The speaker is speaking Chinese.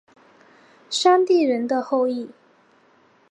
山地人的后裔。